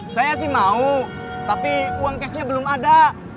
saya sih mau tapi uang cashnya belum ada